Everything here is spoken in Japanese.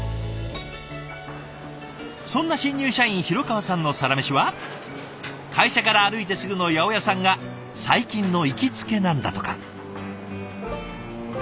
そんな新入社員廣川さんのサラメシは会社から歩いてすぐの八百屋さんが最近の行きつけなんだとか。